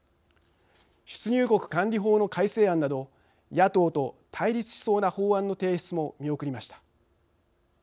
出入国管理法の改正案など野党と対立しそうな法案の提出も見送りました。